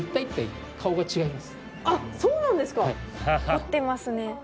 凝ってますね。